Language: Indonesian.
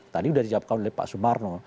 tadi sudah dijawabkan oleh pak sumarno